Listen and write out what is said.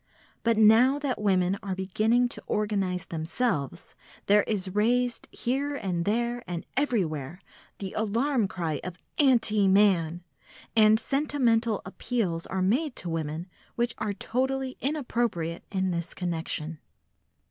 But now that women are beginning to organise themselves, there is raised here and there and everywhere the alarm cry of "Anti man!" and sentimental appeals are made to women which are totally inappropriate in this connection.